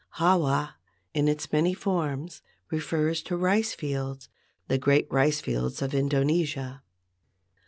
Hawa in its many forms refers to rice fields, the great rice fields of Indonesia."